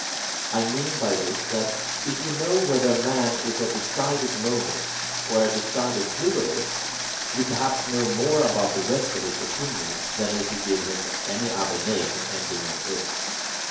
I mean by this that if you know whether a man is a decided monist or a decided pluralist, you perhaps know more about the rest of his opinions than if you give him any other name ending in IST.